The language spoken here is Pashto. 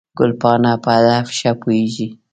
ګلپاڼه په هدف ښه پوهېږي.